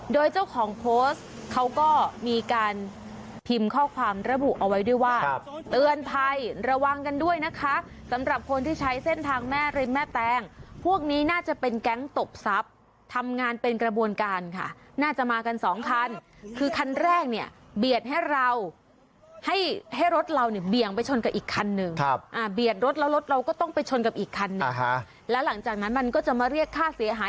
โดยเจ้าของโพสต์เขาก็มีการพิมพ์ข้อความระบุเอาไว้ด้วยว่าเตือนภัยระวังกันด้วยนะคะสำหรับคนที่ใช้เส้นทางแม่ริมแม่แต้งพวกนี้น่าจะเป็นแก๊งตบทรัพย์ทำงานเป็นกระบวนการค่ะน่าจะมากันสองคันคือคันแรกเนี่ยเบียดให้เราให้ให้รถเราเนี่ยเบียงไปชนกับอีกคันหนึ่งครับอ่าเบียดรถแล้วรถเราก็ต้